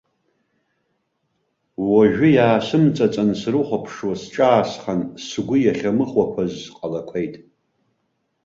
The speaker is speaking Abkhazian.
Уажәы иаасымҵаҵан срыхәаԥшуа сҿаасхан, сгәы иахьамыхәақәаз ҟалақәеит.